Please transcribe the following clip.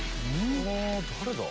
誰だ？